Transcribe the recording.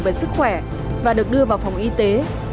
về sức khỏe và được đưa vào phòng y tế